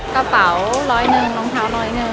กระเป๋า๑๐๑รองเท้า๑๐๑